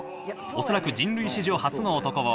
恐らく人類史上初の男。